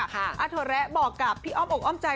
โถแระบอกกับพี่อ้อมอกอ้อมใจ